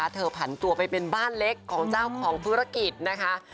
ผันตัวไปเป็นบ้านเล็กของเจ้าของธุรกิจนะคะ